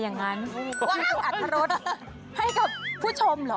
ว้างอัดทะเลาะให้กับผู้ชมเหรอ